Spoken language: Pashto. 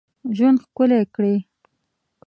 ژوند ښکلی کړی.